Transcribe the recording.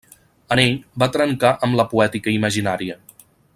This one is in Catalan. En ell va trencar amb la poètica imaginària.